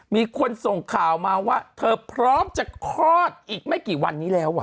มีคนส่งข่าวมาว่าเธอพร้อมจะคลอดอีกไม่กี่วันนี้แล้ว